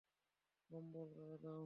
কম্বল গায়ে দাও!